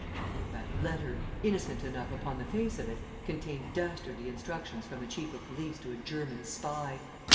That letter, innocent enough upon the face of it, contained dastardly instructions from the Chief of Police to a German spy!